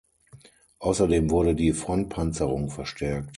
Außerdem wurde die Frontpanzerung verstärkt.